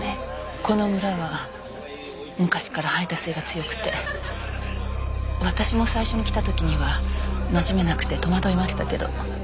この村は昔から排他性が強くて私も最初に来た時にはなじめなくて戸惑いましたけど。